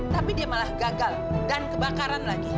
tapi dia malah gagal dan kebakaran lagi